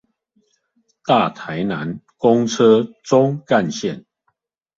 大台南公車棕幹線